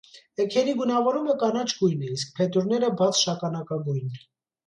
Էգերի գունավորումը կանաչ գույն է, իսկ փետուրները՝ բաց շագանակագույն։